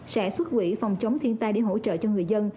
sẽ xuất quỹ phòng chống thiên tai để hỗ trợ cho người dân